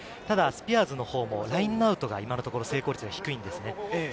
ただ、スピアーズの方もラインアウトが今、成功率が低いんですよね。